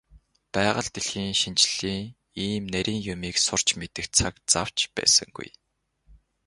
Байгаль дэлхийн шинжлэлийн ийм нарийн юмыг сурч мэдэх цаг зав ч байсангүй.